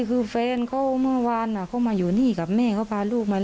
คือแฟนเขาเมื่อวานเขามาอยู่นี่กับแม่เขาพาลูกมา